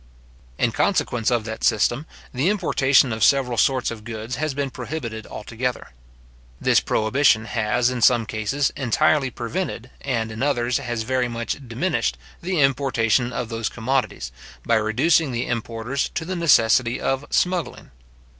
In consequence of that system, the importation of several sorts of goods has been prohibited altogether. This prohibition has, in some cases, entirely prevented, and in others has very much diminished, the importation of those commodities, by reducing the importers to the necessity of smuggling.